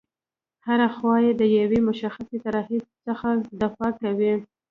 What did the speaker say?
هره خوا یې د یوې مشخصې طرحې څخه دفاع کوي.